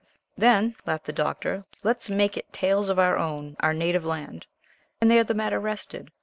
"Then," laughed the Doctor, "let's make it tales of our own, our native land." And there the matter rested.